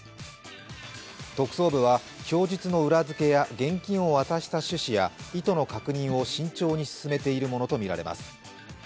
特捜部は、供述の裏付けや現金を渡した趣旨や意図の確認を慎重に進めているものとみられます。